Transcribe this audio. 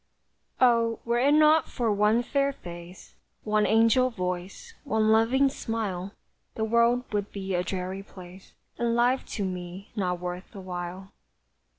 Oh, were it not for one fair face, One angel voice, one loving smile, The world would be a dreary place, And life to me not worth the while.